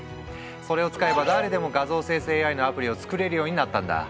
それを使えば誰でも画像生成ＡＩのアプリを作れるようになったんだ。